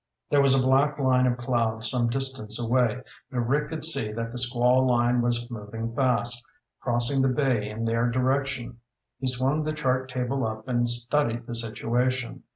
There was a black line of clouds some distance away, but Rick could see that the squall line was moving fast, crossing the bay in their direction. He swung the chart table up and studied the situation.